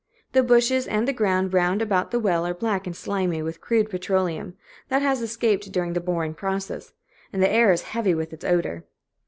The bushes and the ground round about the well are black and slimy with crude petroleum, that has escaped during the boring process, and the air is heavy with its odor.